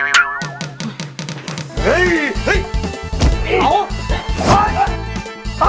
เฮ้ยเอ้ยเอ้า